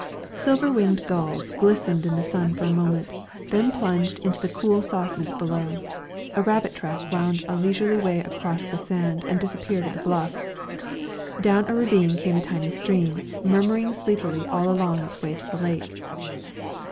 Silver winged gulls glistened in the sun for a moment, then plunged into the cool softness below. A rabbit track wound a leisurely way across the sand and disappeared at the bluff. Down a ravine came a tiny stream, murmuring sleepily all along its way to the lake.